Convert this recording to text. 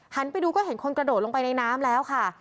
ไปดูก็เห็นคนกระโดดลงไปในน้ำแล้วค่ะ